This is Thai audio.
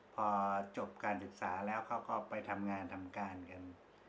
พอจบการศึกษาแล้วเขาก็ไปทำงานทำการกัน